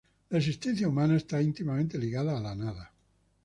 La existencia humana está íntimamente ligada a la nada.